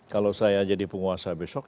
kalau saya jadi penguasa besok